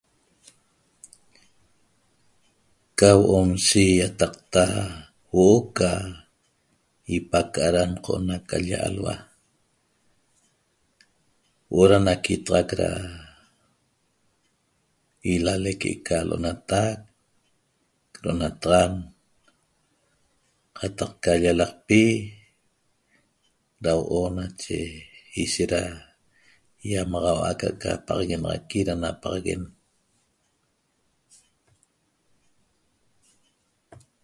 Ca huo'onshi iataqta huo'o ca ipaca'a ra ncona ca l-lla alhua huo'o ra naquitaxac ra ilalec que'eca lo'onatac ro'onataxan qataq ca llalaqpi ra huo’o nache ishet ra iamaxaua ca'aca paxaguenaxaqui ra napaxaguen